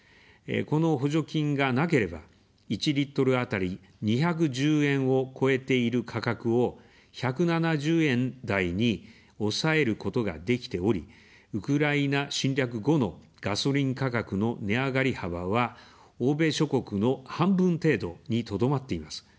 この補助金がなければ、１リットルあたり２１０円を超えている価格を、１７０円台に抑えることができており、ウクライナ侵略後のガソリン価格の値上がり幅は欧米諸国の半分程度にとどまっています。